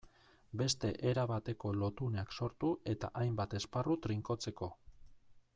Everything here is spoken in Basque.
Beste erabateko lotuneak sortu eta hainbat esparru trinkotzeko.